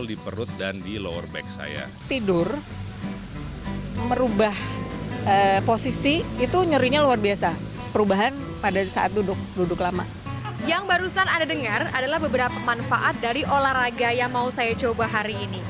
ini olahraga yang mau saya coba hari ini